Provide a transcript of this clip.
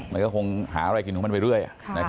มันก็คงหาอะไรกินของมันไปเรื่อย